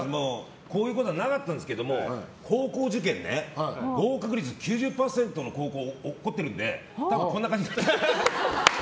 こういうことはなかったんですが高校受験、合格率９０％の高校を落っこってるんで多分こんな感じだった。